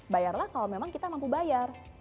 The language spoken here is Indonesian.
bayarlah kalau memang kita mampu bayar